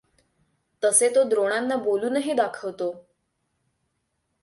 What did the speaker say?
तसे तो द्रोणांना बोलूनही दाखवतो.